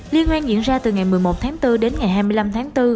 liên hoan diễn ra từ ngày một mươi một tháng bốn đến ngày hai mươi năm tháng bốn